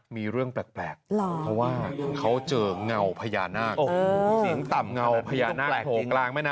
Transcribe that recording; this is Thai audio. มีเรื่องแปลกเพราะว่าเค้าเจอกับเงาบรรยานาคท์